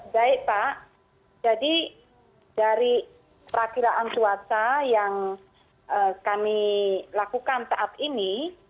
baik pak jadi dari perakiraan cuaca yang kami lakukan saat ini